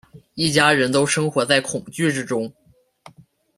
一家人都生活在恐惧之中